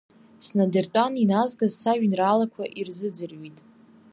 Снадыртәан, иназгаз сажәеинраалақәа ирзыӡырҩит.